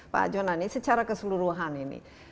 pak jonan ini secara keseluruhan ini